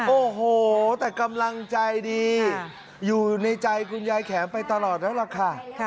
โอ้โหแต่กำลังใจดีอยู่ในใจคุณยายแขมไปตลอดแล้วล่ะค่ะ